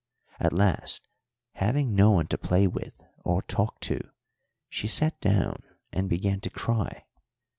At last, having no one to play with or talk to, she sat down and began to cry.